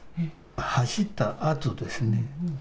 走ったあとです。